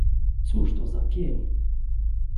"Cóż to za pień!..."